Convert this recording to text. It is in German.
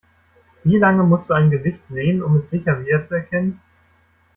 Wie lange musst du ein Gesicht sehen, um es sicher wiederzuerkennen?